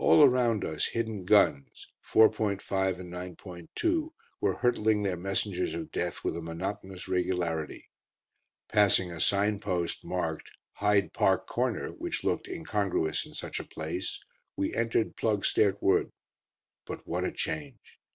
All around us hidden guns, 4.5 and 9.2, were hurtling their messengers of death with a monotonous regularity. Passing a signpost, marked "Hyde Park Corner," which looked incongruous in such a place, we entered Ploegsteert Wood. But what a change!